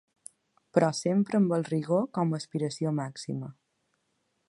Però sempre amb el rigor com a aspiració màxima.